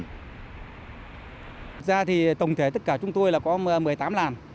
ra thì tổng thể tất cả chúng tôi là có một mươi tám làn